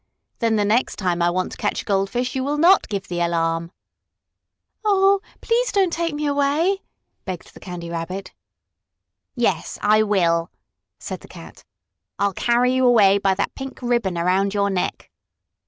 "Then the next time I want to catch a goldfish you will not give the alarm." "Oh, please don't take me away!" begged the Candy Rabbit. "Yes, I will!" said the cat. "I'll carry you away by that pink ribbon around your neck."